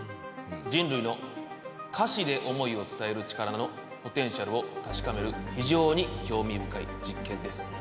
人類の歌詞で思いを伝える力のポテンシャルを確かめる非常に興味深い実験です。